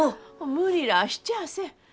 無理らあしちゃあせん。